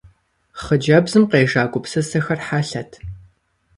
Хъыджэбзым къежа гупсысэхэр хьэлъэт.